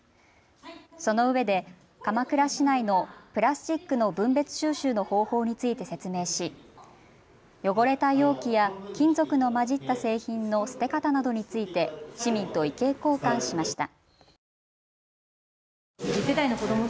そのうえで鎌倉市内のプラスチックの分別収集の方法について説明し汚れた容器や金属の混じった製品の捨て方などについて市民と意見交換しました。